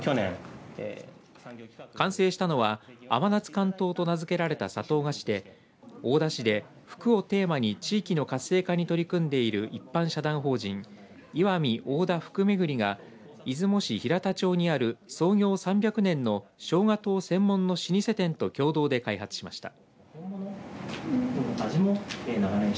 完成したのは甘夏かん糖と名づけられた砂糖菓子で大田市で福をテーマに地域の活性化に取り組んでいる一般社団法人いわみ大田福めぐりが出雲市平田町にある創業３００年のしょうが糖専門の老舗店と共同で開発しました。